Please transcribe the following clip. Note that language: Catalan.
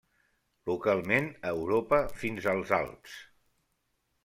Localment a Europa fins als Alps.